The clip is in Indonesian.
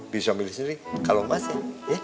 bisa milih sendiri kalau masih